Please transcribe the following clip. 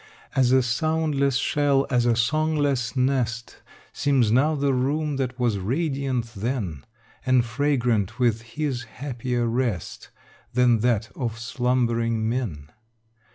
As a soundless shell, as a songless nest, Seems now the room that was radiant then And fragrant with his happier rest Than that of slumbering men.